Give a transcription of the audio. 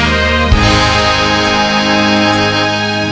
ไม่เร่รวนภาวะผวังคิดกังคัน